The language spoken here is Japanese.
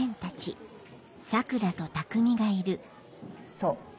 そう。